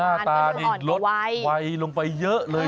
หน้าตานี่ลดไวลงไปเยอะเลย